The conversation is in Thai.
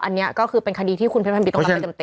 อันนี้ก็คือเป็นคดีที่คุณเพศพันธ์บิตต้องการไปเต็ม